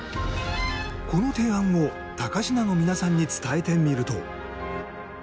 この提案をたかしなの皆さんに伝えてみると。